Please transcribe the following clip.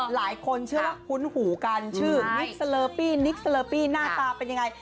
หลายคนชื่อแน็กคุ้นหูกันชื่อนิคเซ้ลอร์ปี้นาตาเป็นยังไง